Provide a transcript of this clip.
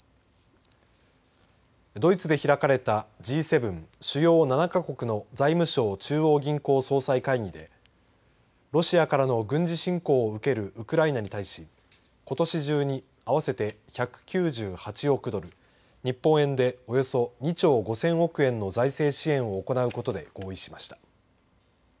ドイツで開かれたＧ７主要７か国の財務相・中央銀行総裁会議でロシアからの軍事侵攻を受けるウクライナに対しことし中に合わせて１９８億ドル日本円でおよそ２兆５０００億円の財政支援を行うことで合意しました。